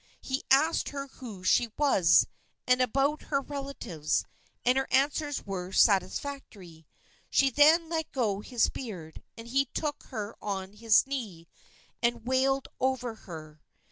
He asked her who she was, and about her relatives, and her answers were satisfactory. She then let go his beard and he took her on his knee and wailed over her.